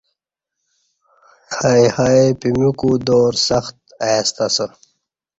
آی ہای پمیوکو دور سخت ای ستہ اسہ